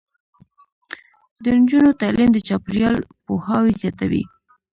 د نجونو تعلیم د چاپیریال پوهاوي زیاتوي.